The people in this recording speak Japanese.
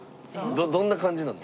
どんな感じなの？